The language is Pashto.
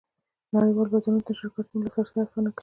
نړیوالو بازارونو ته د شرکتونو لاسرسی اسانه کوي